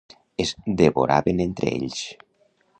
Es devoraven entre ells.